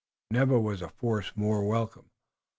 Never was a force more welcome.